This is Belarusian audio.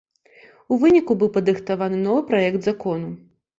У выніку быў падрыхтаваны новы праект закону.